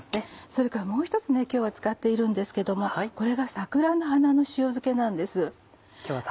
それからもう一つ今日は使っているんですけどもこれが桜の花の塩漬けなんです。